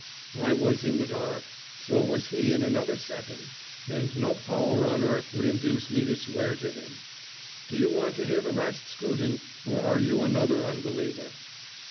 "I was in the dark; so was he in another second; and no power on earth would induce me to swear to him. Do you want to hear the rest, Scruton, or are you another unbeliever?"